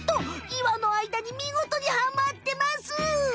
岩のあいだにみごとにはまってます！